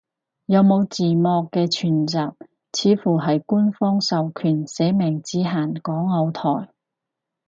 有冇字幕嘅全集，似乎係官方授權，寫明只限港澳台